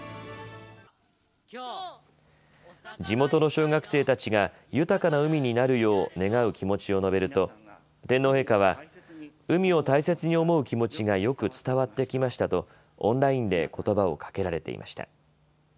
地元の小学生たちが豊かな海になるよう願う気持ちを述べると天皇陛下は海を大切に思う気持ちがよく伝わってきましたとオンラインでことばをかけられていました。